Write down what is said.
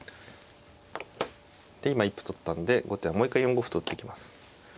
で今一歩取ったんで後手はもう一回４五歩と打ってきます。